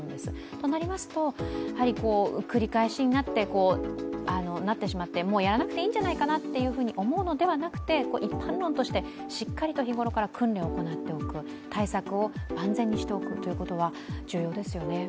となりますと、繰り返しになってしまってもうやらなくていいんじゃないかなと思うのではなくて、一般論としてしっかりと日頃から訓練を行っておく、対策を万全にしておくということは重要ですよね。